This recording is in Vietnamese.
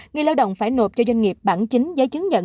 người lao động phải nộp cho doanh nghiệp bản chính giấy chứng nhận